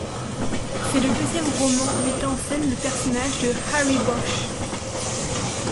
C'est le deuxième roman mettant en scène le personnage de Harry Bosch.